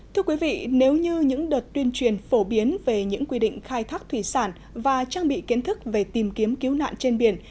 thưa quý vị nếu như những đợt tuyên truyền phổ biến về những quy định khai thác thủy sản và trang bị kiến thức về tìm kiếm cứu nạn trên biển